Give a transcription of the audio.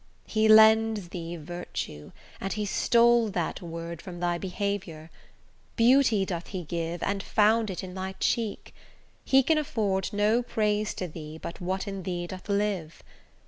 He lends thee virtue, and he stole that word From thy behaviour; beauty doth he give, And found it in thy cheek: he can afford No praise to thee, but what in thee doth live.